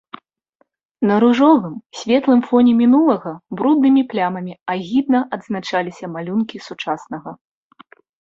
На ружовым, светлым фоне мінулага бруднымі плямамі агідна адзначаліся малюнкі сучаснага.